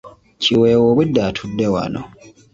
Kiweewa obwedda atudde wano.